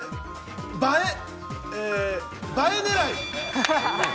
映え狙い。